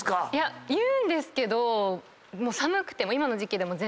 言うんですけど寒くても。